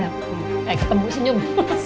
eh ketemu senyum